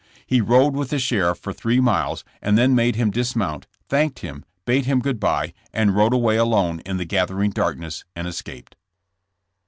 He rode with the sheriff for three miles and then made him dismount, thanked him, hade him good bye, and rode away alone in the gathering darkness and escaped.